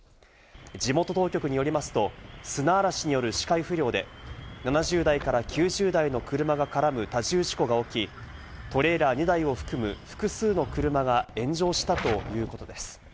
地元当局によりますと砂嵐による視界不良で７０台から９０台の車が絡む多重事故が起き、トレーラー２台を含む複数の車が炎上したということです。